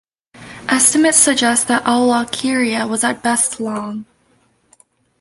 Estimates suggest that "Alwalkeria" was at best long.